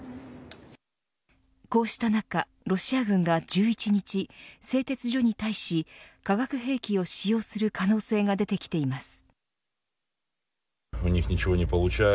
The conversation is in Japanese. こうした中、ロシア軍が１１日製鉄所に対し化学兵器を使用する可能性が出てきています。